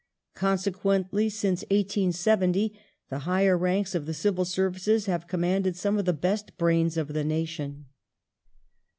Consequently, since 1870 the higher ranks of the Civil Services have commanded some of the best brains of the nation.